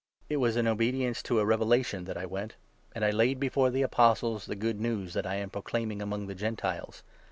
It was in 2 obedience to a revelation that I went ; and I laid before the Apostles the Good News that I am proclaiming among the Gentiles.